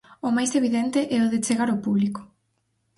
O máis evidente é o de chegar ao público.